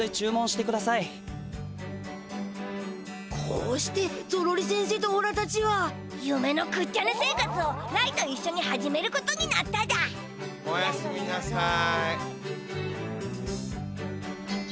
こうしてゾロリせんせとおらたちはゆめの食っちゃ寝生活をライといっしょに始めることになっただおやすみなさい。